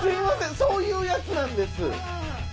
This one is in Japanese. そういうやつなんです。